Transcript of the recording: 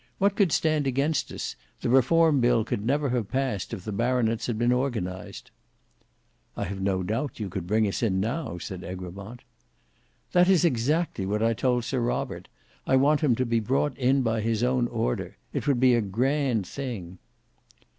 What could stand against us? The Reform Bill could never have passed if the baronets had been organized." "I have no doubt you could bring us in now," said Egremont. "That is exactly what I told Sir Robert. I want him to be brought in by his own order. It would be a grand thing."